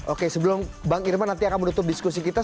oke sebelum bang irman nanti akan menutup diskusi kita